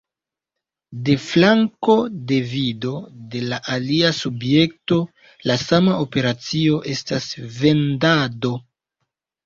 De flanko de vido de la alia subjekto la sama operacio estas vendado.